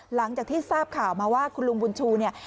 หลังจากที่ทราบข่าวมาว่าคุณลุงบุญชูเนี่ย